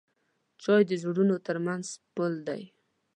چای د زړونو ترمنځ پل دی.